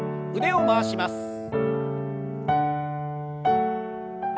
腕を回します。